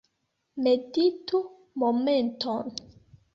Meditu momenton.